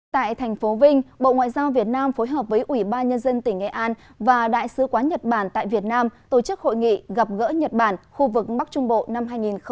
tại thành phố vinh bộ ngoại giao việt nam phối hợp với ủy ban nhân dân tỉnh nghệ an và đại sứ quán nhật bản tại việt nam tổ chức hội nghị gặp gỡ nhật bản khu vực bắc trung bộ năm hai nghìn hai mươi